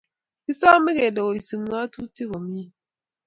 Kisame kelee oisib ngatutik komie